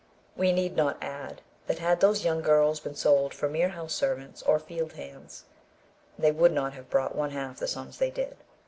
We need not add that had those young girls been sold for mere house servants or field hands, they would not have brought one half the sums they did.